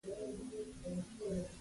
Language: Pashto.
پښتانه چې مرکه ورشي مخ یې نه ماتوي.